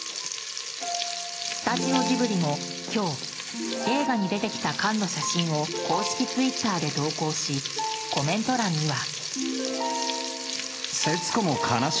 スタジオジブリも今日映画に出てきた缶の写真を公式ツイッターで投稿しコメント欄には。